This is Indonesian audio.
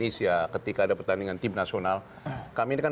esko telah memberikan pandangan